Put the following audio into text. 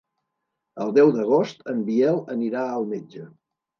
El deu d'agost en Biel anirà al metge.